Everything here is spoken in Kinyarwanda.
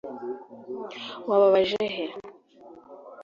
wababaje he